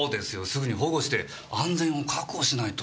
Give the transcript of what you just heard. すぐに保護して安全を確保しないと。